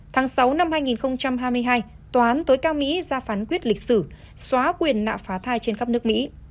tháng sáu năm hai nghìn hai mươi hai tòa án tối cao mỹ ra phán quyết lịch sử xóa quyền nạ phá thai trên khắp nước mỹ